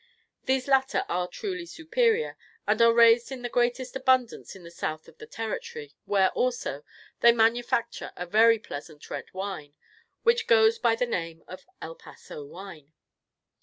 These latter are truly superior, and are raised in the greatest abundance in the south of the Territory, where, also, they manufacture a very pleasant red wine, which goes by the name of El Paso Wine.